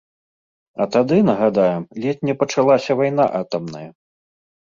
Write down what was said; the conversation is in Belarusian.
А тады, нагадаем, ледзь не пачалася вайна атамная.